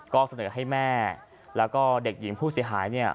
ก็เสนอให้แม่และเด็กหญิงผู้เสียหาย